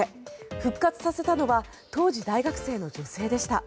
復活させたのは当時大学生の女性でした。